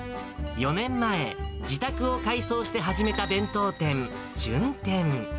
４年前、自宅を改装して始めた弁当店、じゅん天。